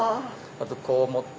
まずこう持って。